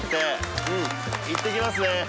行ってきますね